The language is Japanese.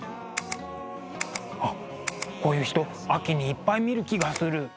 あっこういう人秋にいっぱい見る気がする。